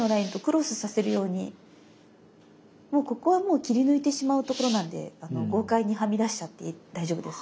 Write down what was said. もうここはもう切り抜いてしまうところなんで豪快にはみ出しちゃって大丈夫です。